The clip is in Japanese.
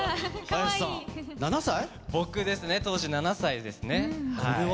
僕ですね、当時７歳ですね。